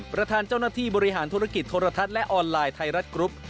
ประธานเจ้าหน้าที่บริหารธุรกิจโทรทัศน์และออนไลน์ไทยรัฐกรุ๊ป